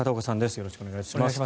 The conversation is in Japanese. よろしくお願いします。